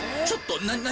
ちょっと何！？